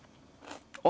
あ！